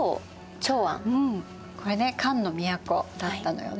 これね漢の都だったのよね。